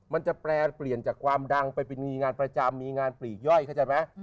มันจะแปรเปลี่ยนจากความดังไปเป็นมีงานประจำมีงานปลีกย่อยเข้าใจไหม